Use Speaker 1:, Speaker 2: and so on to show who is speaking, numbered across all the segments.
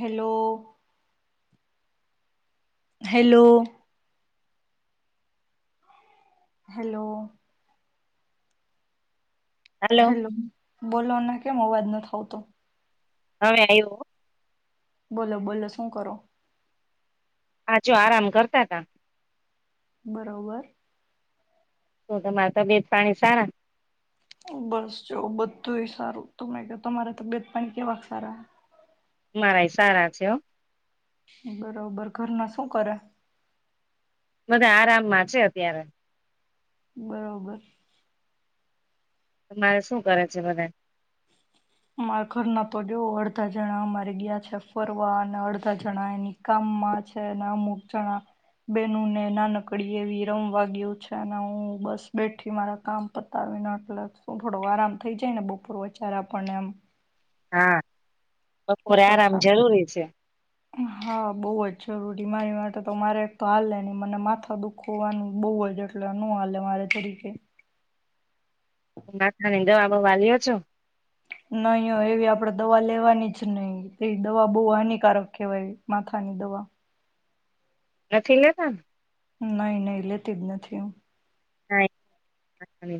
Speaker 1: Hello. Hello. Hello.
Speaker 2: Hello
Speaker 1: hello બોલો ના. કેમ અવાજ નથી આવતો.
Speaker 2: હવે આવ્યું.
Speaker 1: બોલો બોલો શું કરો.
Speaker 2: આ જો આરામ કરતા હતા.
Speaker 1: બરોબર.
Speaker 2: શું તમારા તબિયત પાણી સારા?
Speaker 1: બસ જો બધું એ સારું તને ક તમારા તબિયત પાણી કેવા સારા.
Speaker 2: મારા સારા છે.
Speaker 1: બરોબર ઘરમાં શું કરે?
Speaker 2: બધા આરામમાં છે અત્યારે.
Speaker 1: બરોબર.
Speaker 2: મારે શું કરે છે મને.
Speaker 1: મારાં ઘરના તો જોવ અડધા જણા અમારે ગયા છે ફરવા અને અડધા જણા એની કામમાં છે ને અમુક જણા બેનુંને નાનકડી એવી રમવા ગય્યું છે ને હું બસ બેઠી મારા કામ પતાવીને એટલે શું થોડો આરામ થઈ જાય ને બપોર વચાર આપ પણને એમ.
Speaker 2: હા.
Speaker 1: એ
Speaker 2: બપોરે
Speaker 1: તો
Speaker 2: આરામ
Speaker 1: થા
Speaker 2: જરૂરી છે
Speaker 1: હા બહુ જ જરૂરી. બીમારી માટે તો મારે તો હાલે નહી મને માથા દુખવવાનું બહુ હોય એટલે નો હાલે મારે જરીકે.
Speaker 2: માથાનીને દવા બવા લ્યો છો?
Speaker 1: નહી હો એવી આપણેે દવા લેવાની જ નહી એ દવા બહુ હાનિકારક કહેવાય માથાની દવા.
Speaker 2: નથી લેતા ને?
Speaker 1: નહી નહી લેતી જ નથી હું.
Speaker 2: ના.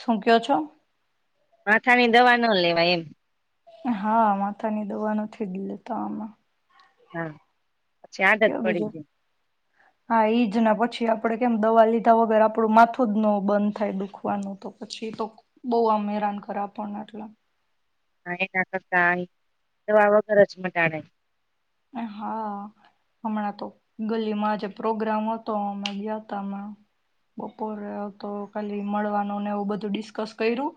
Speaker 1: શું કયો છો?
Speaker 2: માથાની દવા ન લેવાય એમ.
Speaker 1: હા માથાની દવા નથી જ લેતા અમે.
Speaker 2: હા. આદત પડી
Speaker 1: બીજો
Speaker 2: જાય.
Speaker 1: હા ઈ જને પછી આપડે કેમ દવા લીધા વગર આપણું માથું જ ન બંધ થાય દુખવાનું તો પછી એ તો બહુ આમ હેરાન કરે આપણને એટલે.
Speaker 2: હ [unintelligible]
Speaker 1: હા, હમણાં તો ગલીમાં આજે પ્રોગ્રામ હતો, અમે ગયાતા હમણાં, બપોરે તો ખાલી મળવાનુંને એવું બધું ડિસ્કસ કર્યું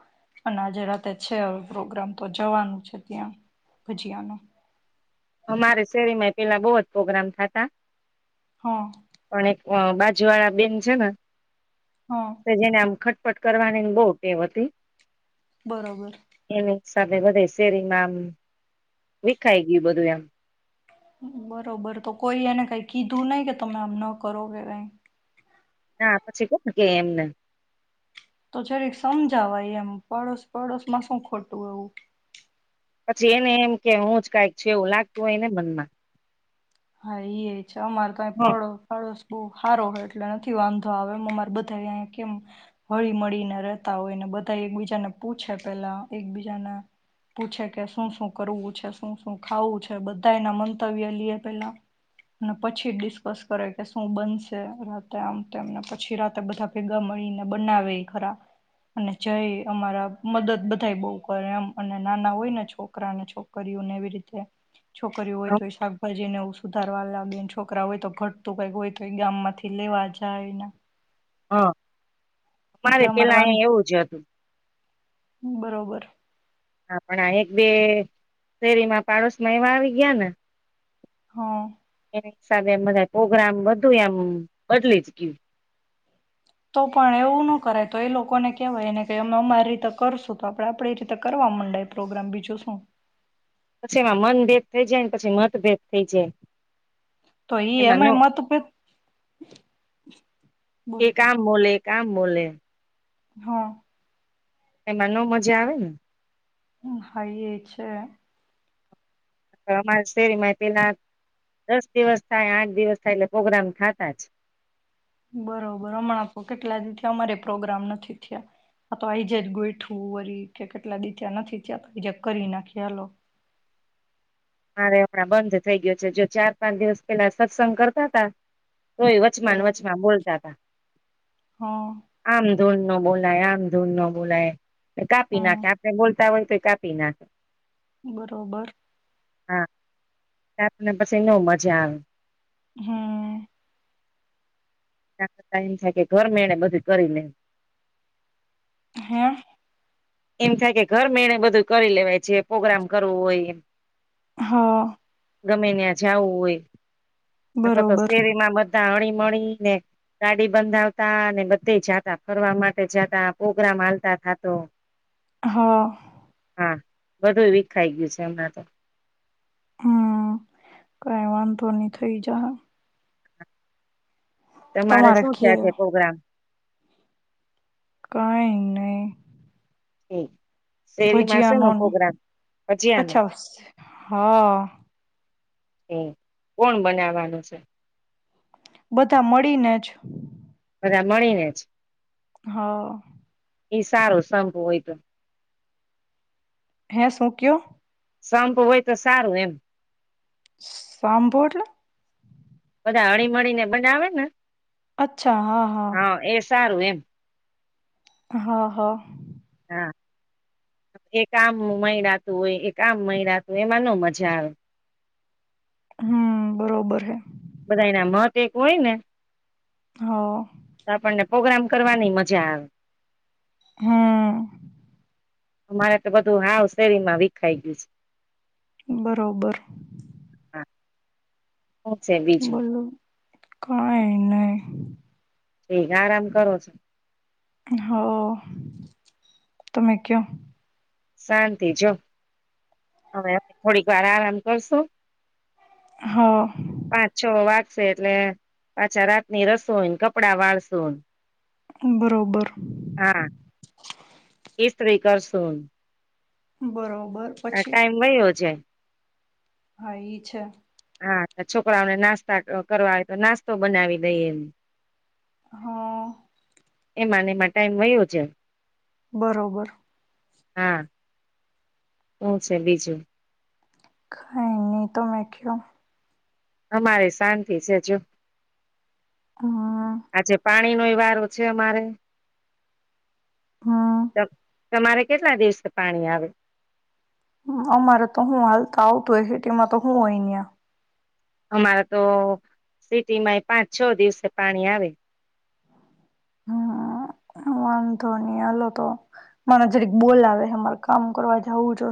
Speaker 1: અને આજે રાતે છે પ્રોગ્રામ તો જવાનું છે ત્યાં ભજીયાનું.
Speaker 2: અમારે શેરી માંય પહેલાં બહુ જ પ્રોગ્રામ થતા
Speaker 1: હા!
Speaker 2: આ બાજુવાળા બેન છે ને
Speaker 1: હા
Speaker 2: [unintelligible] પટ કરવાની બહુ ટેવ હતી.
Speaker 1: બરોબર!
Speaker 2: એની સાથે બધે શેરીમાં આમ વિખાઈ ગયું બધું, એમ. [inaudible]
Speaker 1: બરોબર! તો કોઈ એને કઈ કીધું નહી, કે તમે આમ ન કરો કે કઈ.
Speaker 2: ના, પછી કોણ કેય એમને?
Speaker 1: તો જરીક સમજાવાય એમ. પડોશ પડોશ માં શું ખોટું એવું?
Speaker 2: પછી એને એમ કે, હું જ કંઈક છે. એવું લાગતું હોય ને મનમાં. હ
Speaker 1: [unintelligible] બહુ સારો હોય. એટલે નથી વાંધો આવે એમ અમારે બધા અહીયા કેમ હળી મળીને રહેતા હોય. ને બધા એકબીજાને પૂછે પેલા એકબીજાને પૂછે કે, શું શું કરવું છે? શું શું ખાવું છે? બધા એના મંતવ્ય લીએ. પહેલાં અને પછી ડિસ્કસ કરે કે, શું બનશે રાતે? આમ તેમ ને પછી રાતે બધા ભેગા મળીને બનાવેઈ ખરા. અને જઈ અમારા મદદ બધા બહુ કરે. એમ અને નાના હોય ને છોકરા અને છોકરીઓને એવી રીતે. છોકરીઓ હોય તે સા જેને એવું સુધારવા લાગે ને છોકરા હોય તો ઘટતું કઈક હોય તો એ ગામ માંથી લેવા જાયને.
Speaker 2: હા!
Speaker 1: એટલે
Speaker 2: અમારે પહેલાં
Speaker 1: વાંધ
Speaker 2: અહીંયા એવું જ હતું.
Speaker 1: બરોબર!
Speaker 2: હા પણ, એક બે શેરીમાં પાડોશ માં એવા આવી ગયા ને.
Speaker 1: હા!
Speaker 2: હિસાબે એમ બધા પ્રોગ્રામ, બધું એમ બદલી જ ગયું!
Speaker 1: તો પણ, એવું ન કરાય તો એ લોકોને કેહેવાય. એને કે અમે અમારી રીતે કરશું. તો આપડે આપડી રીતે કરવા મનડ્ય પ્રોગ્રામ, બીજું શું?
Speaker 2: પછી એમાં મનભેદ થઇ જાય, પછી મતભેદ થઈ જાય.
Speaker 1: તો એઈ
Speaker 2: એમાં ન
Speaker 1: એમાંય મતભેદ. બોલો
Speaker 2: કામ બોલે.
Speaker 1: હા!
Speaker 2: એમાં નો મજા આવે ને.
Speaker 1: હું હાઈ એ છે.
Speaker 2: અમારા શેરીમાં પેલા દસ દિવસ થાય, આઠ દિવસ થાય. એટલે પ્રગ્રામ થાતા જ.
Speaker 1: બરોબર હમણાં તો કેટલા દી થી અમારે પ્રોગ્રામ નથી થયા. આ તો આઈજે જ ગોઈઠવું. વળી કે કેટલા દીથી ત્યાં નથી થયા. તો આજ કરી નાખી હાલો
Speaker 2: મારે હમણાં બંધ થઈ ગયો છે. જો ચાર પાંચ દિવસ પહેલાં સત્સંગ કરતા હતા. તોય વચમાં
Speaker 1: બરોબર
Speaker 2: વચમાં બોલતા હતા.
Speaker 1: હા
Speaker 2: આમ ધૂન નો બોલાય. આમ ધૂન નો બોલાય. નઈ કાપી
Speaker 1: હમ
Speaker 2: નાખે આપડે બોલ [unintelligible] કાપી નાખે.
Speaker 1: બરોબર.
Speaker 2: હા તે અપને પછી નો મજા આવે.
Speaker 1: હમ્મ
Speaker 2: એના કરતા એમ થાય કે ઘર મેળ બધું કરી લેવું
Speaker 1: હે.
Speaker 2: એમ થાય કે ઘર મેળે બધું કરી લેવાય છે પ્રગ્રામ કરવું હોય.
Speaker 1: હા.
Speaker 2: ગમે ત્યાં જવું હોય. નકર તો
Speaker 1: બરોબર
Speaker 2: શેરી માં બધા. બધા હળીમીને ગાડી બંધાવતા અને બધે જાતા ફરવા માટે જાતા પ્રગ્રામ હાલતા થાતો
Speaker 1: હા.
Speaker 2: હા બધું વિીખાઈ ગયું છે હમણાં તો.
Speaker 1: હમ કઈ વાંધો નહી થઇ જાહે.
Speaker 2: તમારે શું છે આજે પ્રોગ્રામ?
Speaker 1: કઈ નહી.
Speaker 2: ઠેક. શેરીમાં
Speaker 1: ભજીયા
Speaker 2: સેનો
Speaker 1: નો ને
Speaker 2: પ્રોગ્રામ ભજીયાનો?
Speaker 1: અચ્છા હા.
Speaker 2: હમ કોણ બનાવાનું છે.
Speaker 1: બધા મળીને જ
Speaker 2: બધા મળી ને જ
Speaker 1: હા.
Speaker 2: એ સારો સંંભું હોય તો.
Speaker 1: હે શું કયો?
Speaker 2: સંપ હોય તો સારું એમ.
Speaker 1: સાંભો એટલે?
Speaker 2: બધા હળી મળળી ને બનાવે ને.
Speaker 1: અચ્છા હા હા.
Speaker 2: હ [unintelligible]
Speaker 1: હા હા.
Speaker 2: હા. એક આમ મયરાતું હોય એક આમ મય રાતું હોય એમાં ન મજા આવે.
Speaker 1: હમ બરોબર હે.
Speaker 2: બધાયના મત એક હોય ને.
Speaker 1: હ.
Speaker 2: પ્રગ્રામ કરવાની મજા આવે.
Speaker 1: હમ.
Speaker 2: અમારે તો બધું હાવ શેરીમાં વિખાઈ ગયું છે.
Speaker 1: બરોબર.
Speaker 2: હ છે બીજું.
Speaker 1: બોલો કઈ નહી.
Speaker 2: ઠીક આરામ કરો છો.
Speaker 1: હ તમે ક.
Speaker 2: શાંતિ જો હવે થોડીક વાર આરામ કરશું.
Speaker 1: હા.
Speaker 2: છે એટલે પાછા રાતની રસોઈ ને કપડા વાળસો.
Speaker 1: બરોબર.
Speaker 2: ત્રી કરશું.
Speaker 1: બરોબર
Speaker 2: આ
Speaker 1: પછી
Speaker 2: ટાઈમ વયયો જાય.
Speaker 1: હા, એઈ છે.
Speaker 2: હા, છોકરાઓને નાસ્તા ક-કરવાય તો નાસ્તો બનાવી દઈ એમ.
Speaker 1: હા.
Speaker 2: એમાંને એમાં ટાઈમ વયો છે.
Speaker 1: બરોબર.
Speaker 2: હા. હું છે બીજું?
Speaker 1: ખા નહીં તો નાખ્યું.
Speaker 2: અમારે શાંતિ છે જો.
Speaker 1: હા.
Speaker 2: ણી નો વારો છે અમારે.
Speaker 1: હમ
Speaker 2: પર તમારે કેટલા દિવસે પાણી આવે?
Speaker 1: અમારે તો હું હાલ તો આવતું હોય હેટલે માં તો હું હહિયા.
Speaker 2: અમારા તો સિટીમાં એ પાંચ છ દિવસે પાણી આવે.
Speaker 1: હમ વાંધો નહી. હાલો તો. મને જરીક બોલાવે હ. મારે કામ કરવા જવું જો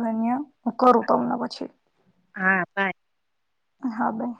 Speaker 1: હું કરું તમને પછી.
Speaker 2: હા, બાય.
Speaker 1: એ હા બા.